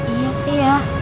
iya sih ya